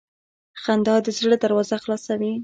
• خندا د زړه دروازه خلاصوي.